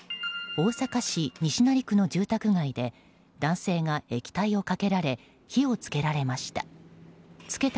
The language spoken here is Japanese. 大阪市西成区の住宅街で男性が液体をかけられ火を付けられました。